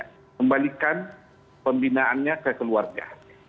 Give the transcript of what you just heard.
kembalikan pembinaannya ke keluarga